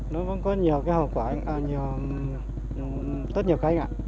nó vẫn có nhiều hậu quả rất nhiều khách ngạc